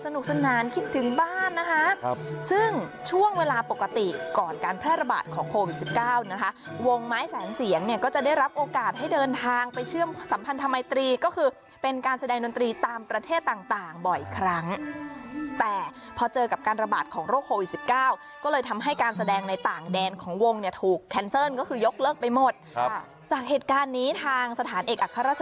คิดถึงบ้านนะคะซึ่งช่วงเวลาปกติก่อนการแพร่ระบาดของโควิด๑๙นะคะวงไม้แสนเสียงเนี่ยก็จะได้รับโอกาสให้เดินทางไปเชื่อมสัมพันธมัยตรีก็คือเป็นการแสดงดนตรีตามประเทศต่างบ่อยครั้งแต่พอเจอกับการระบาดของโรคโควิด๑๙ก็เลยทำให้การแสดงในต่างแดนของวงเนี่ยถูกแคนเซิลก็คือยกเลิกไปหมดครับจากเหตุการณ์นี้ทางสถานเอกอัคร